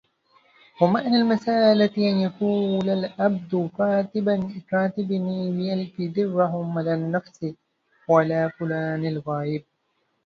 وَمَعْنَى الْمَسْأَلَةِ أَنْ يَقُولَ الْعَبْدُ كَاتِبْنِي بِأَلْفِ دِرْهَمٍ عَلَى نَفْسِي وَعَلَى فُلَانٍ الْغَائِبِ